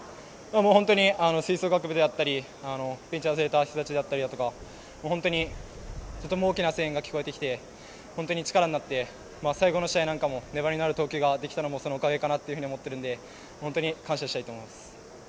本当に吹奏楽部であったりベンチ外れた人たちだったりとかとても大きな声援が聞こえてきて最後の試合なんかも粘りのある投球ができたのもそのおかげかと思うので本当に感謝しています。